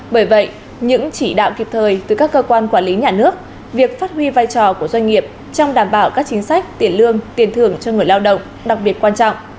bởi vậy những chỉ đạo kịp thời từ các cơ quan quản lý nhà nước việc phát huy vai trò của doanh nghiệp trong đảm bảo các chính sách tiền lương tiền thưởng cho người lao động đặc biệt quan trọng